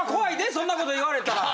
そんなこと言われたら。